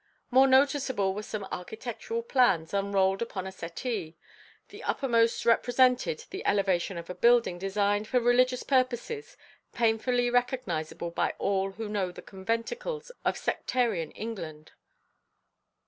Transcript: More noticeable were some architectural plans unrolled upon a settee; the uppermost represented the elevation of a building designed for religious purposes, painfully recognizable by all who know the conventicles of sectarian England.